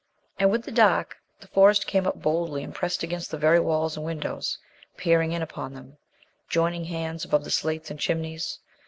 And, with the dark, the Forest came up boldly and pressed against the very walls and windows, peering in upon them, joining hands above the slates and chimneys.